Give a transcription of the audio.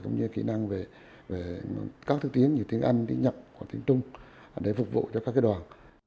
cũng như kỹ năng về các thứ tiếng như tiếng anh tiếng nhật tiếng trung để phục vụ cho các đoàn